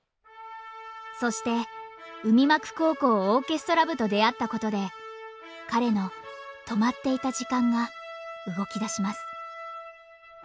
そして海幕高校オーケストラ部と出会ったことで彼の止まっていた時間が動きだします。